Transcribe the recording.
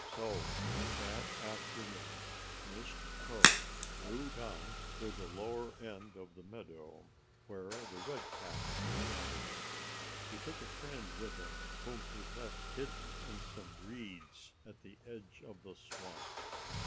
So that afternoon Mr. Crow flew down to the lower end of the meadow, where The Redcaps were gathering. He took a friend with him, whom he left hidden in some reeds at the edge of the swamp.